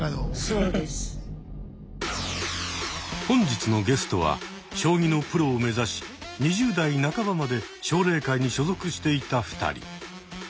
本日のゲストは将棋のプロを目指し２０代半ばまで奨励会に所属していた２人。